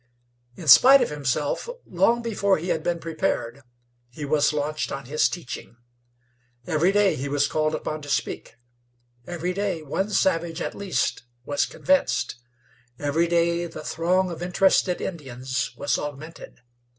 In spite of himself, long before he had been prepared, he was launched on his teaching. Every day he was called upon to speak; every day one savage, at least, was convinced; every day the throng of interested Indians was augmented.